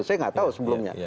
saya nggak tahu sebelumnya